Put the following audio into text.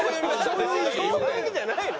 そういう意味じゃないの？